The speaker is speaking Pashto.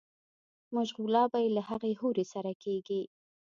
مشغولا به ئې له هغې حورې سره کيږي